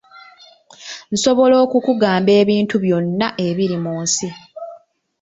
Nsobola okukugamba ebintu byonna ebiri mu nsi.